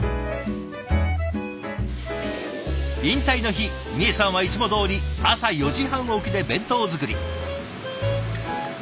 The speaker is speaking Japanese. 引退の日みえさんはいつもどおり朝４時半起きで弁当作り。